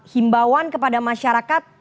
himbauan kepada masyarakat